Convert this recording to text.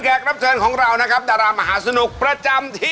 คือความที่เชียงใหม่มีความหลากหลายครับ